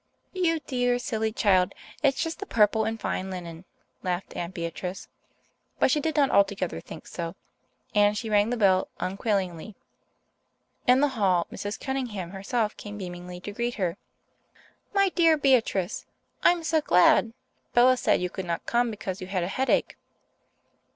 "You dear, silly child! It's just the purple and fine linen," laughed Aunt Beatrice. But she did not altogether think so, and she rang the doorbell unquailingly. In the hall Mrs. Cunningham herself came beamingly to greet her. "My dear Beatrice! I'm so glad. Bella said you could not come because you had a headache."